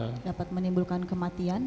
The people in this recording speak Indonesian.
atau dapat menimbulkan kematian